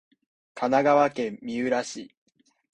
神奈川県三浦市